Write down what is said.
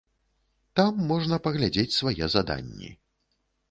Там можна паглядзець свае заданні.